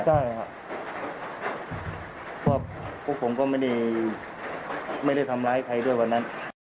แต่ว่าพวกผมก็ไม่ได้ไม่ได้ทำร้ายให้ใครด้วยวันนั้น